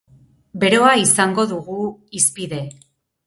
Beroa izango dugu hizpide.